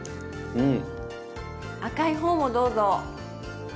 うん。